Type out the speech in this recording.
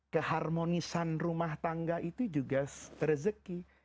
keharmonisan rumah tangga itu juga rezeki